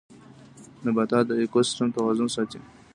نباتات د ايکوسيستم توازن ساتي